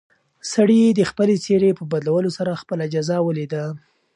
سړي د خپلې څېرې په بدلولو سره خپله جزا ولیده.